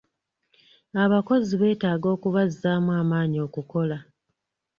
Abakozi beetaaga okubazzaamu amaanyi okukola.